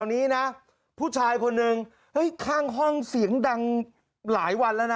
ตอนนี้นะผู้ชายคนหนึ่งเฮ้ยข้างห้องเสียงดังหลายวันแล้วนะ